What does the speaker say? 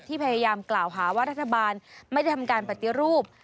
พยายามกล่าวหาว่ารัฐบาลไม่ได้ทำการปฏิรูป